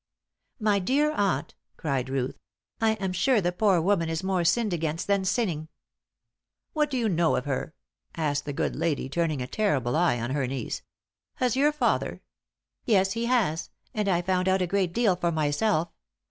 "My dear aunt," cried Ruth, "I am sure the poor woman is more sinned against than sinning." "What do you know of her?" asked the good lady, turning a terrible eye on her niece. "Has your father " "Yes, he has; and I found out a great deal for myself.